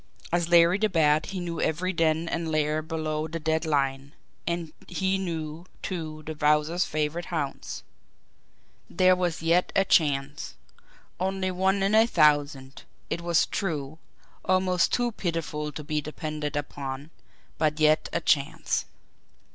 As Larry the Bat he knew every den and lair below the dead line, and he knew, too, the Wowzer's favourite haunts. There was yet a chance, only one in a thousand, it was true, almost too pitiful to be depended upon but yet a chance.